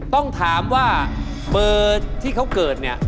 ต้องถามว่าเบอร์ที่เขาเกิดเนี่ย